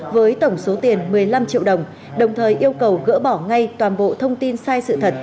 với tổng số tiền một mươi năm triệu đồng đồng thời yêu cầu gỡ bỏ ngay toàn bộ thông tin sai sự thật